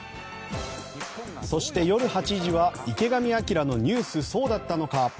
そして、夜８時は「池上彰のニュースそうだったのか！！」。